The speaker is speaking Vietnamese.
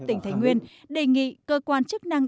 tỉnh thái nguyên đề nghị cơ quan chức năng